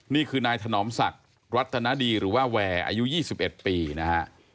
นี่คือนายถนอมศักดิ์รัตนดีหรือว่าแวร์อายุ๒๑ปีนะฮะ